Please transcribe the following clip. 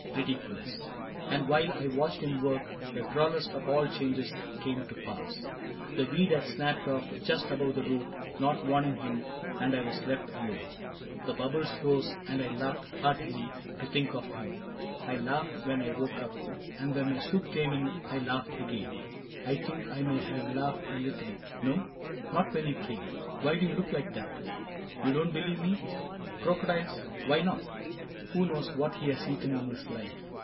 Ridiculous. And while I watched him work. The drollest of all changes came to pass :— The weed had snapped ofF just above the root. Not warning him, and I was left alone. The bubbles rose, and I laughed heartily To think of him ; I laughed when I woke up ; And when my soup came in V laughed again ; I think I may have laughed a little — no ?— Not when you came ?... Why do you look like that ? You don't believe me ? Crocodiles — why not ? Who knows what he has eaten in his life